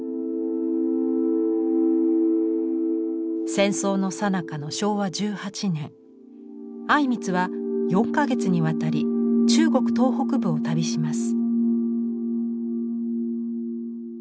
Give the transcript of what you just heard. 戦争のさなかの昭和１８年靉光は４か月にわたり中国東北部を旅します。